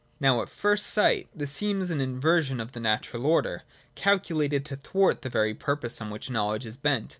Now, at first sight, this seems an inversion of the natural order, calculated to thwart the very purpose on which knowledge is bent.